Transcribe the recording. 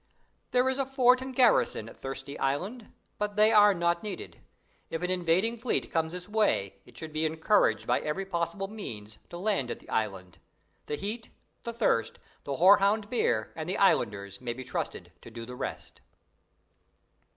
There is a fort and garrison at Thirsty Island, but they are not needed. If an invading fleet comes this way it should be encouraged by every possible means to land at the island; the heat, the thirst, the horehound beer, and the Islanders may be trusted to do the rest.